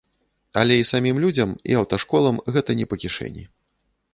Але і самім людзям, і аўташколам гэта не па кішэні.